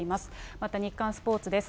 また日刊スポーツです。